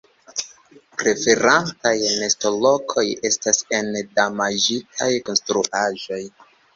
Preferataj nestolokoj estas en damaĝitaj konstruaĵoj.